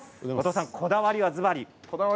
こだわりは、ずばり？